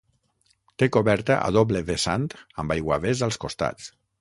Té coberta a doble vessant amb aiguavés als costats.